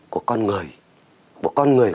của con người của con người